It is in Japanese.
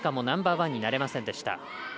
ナンバーワンになれませんでした。